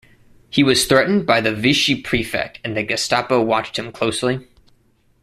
He was threatened by the Vichy Prefect, and the Gestapo watched him closely.